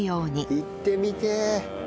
行ってみてえ！